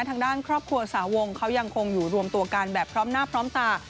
ทางด้านครอบครัวสาวงเขายังคงอยู่รวมตัวกันแบบพร้อมหน้าพร้อมตา